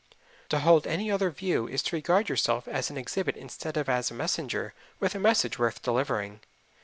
To hold any other view is to regard yourself as an exhibit instead of as a messenger with a message worth delivering.